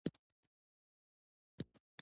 ژوندي خپل هدف ټاکي